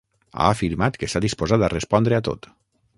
Ha afirmat que està disposat a respondre a tot.